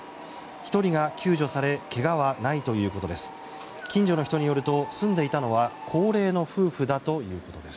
１人が救助されけがはないということです。